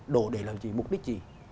đổ để làm gì mục đích gì